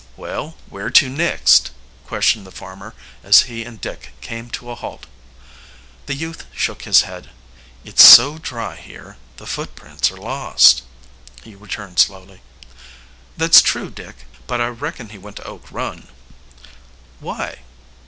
"Well, where to next?" questioned the farmer, as he and Dick came to a halt. The youth shook his head. "It's so dry here the footprints are lost," he returned slowly. "That's true, Dick. But I reckon he went to Oak Run." "Why?"